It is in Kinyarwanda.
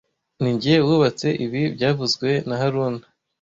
Ninjye wubatse ibi byavuzwe na haruna